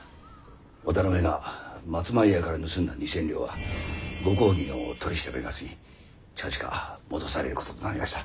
渡辺が松前屋から盗んだ２千両はご公儀の取り調べが済み近々戻されることになりました。